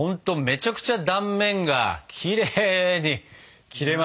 めちゃくちゃ断面がきれいに切れましたね。